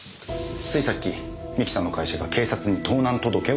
ついさっき三木さんの会社が警察に盗難届を出しました。